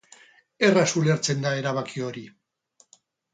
Erraz ulertzen da erabaki hori.